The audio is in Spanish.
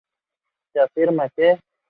Se afirma que